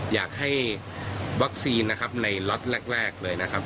อยากให้วัคซีนนะครับในล็อตแรกเลยนะครับ